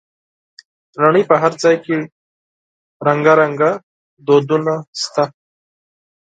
د نړۍ په هر ځای کې ډول ډول دودونه شته.